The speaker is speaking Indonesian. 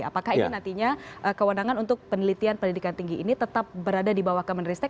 apakah ini nantinya kewenangan untuk penelitian pendidikan tinggi ini tetap berada di bawah kemenristek